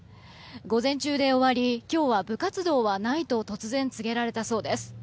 午前中で終わり今日は部活動はないと突然告げられたそうです。